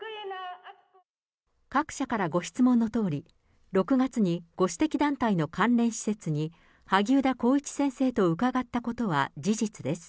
各社からご質問のとおり、６月にご指摘団体の関連施設に、萩生田光一先生と伺ったことは事実です。